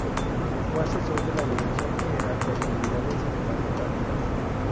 Fue asesor de la Dirección General de Actividades Cinematográficas.